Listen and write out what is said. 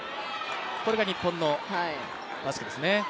これが、日本のバスケですね。